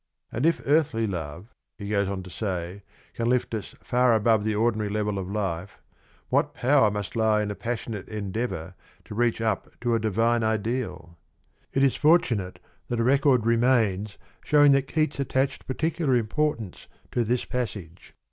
And if earthly love, he goes on to say, can lift us far above the ordinary level of life, what power must lie in a passionate endeavour to reach up to a divine ideal ! It is fortunate that a record remains showing that Keats attached particular importance to this passage.